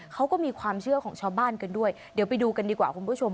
เขาก็มีความเชื่อของชาวบ้านกันด้วยเดี๋ยวไปดูกันดีกว่าคุณผู้ชม